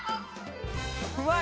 うまい！